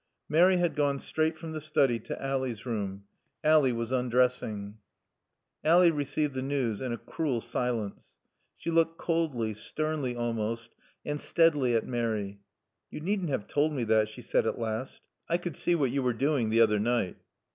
Mary had gone straight from the study to Ally's room. Ally was undressing. Ally received the news in a cruel silence. She looked coldly, sternly almost, and steadily at Mary. "You needn't have told me that," she said at last. "I could see what you were doing the other night."